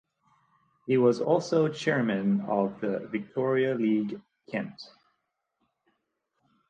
He was also chairman of the Victoria League, Kent.